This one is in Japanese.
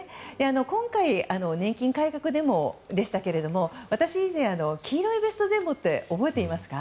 今回、年金改革デモでしたが以前の黄色いベストデモって覚えていますか？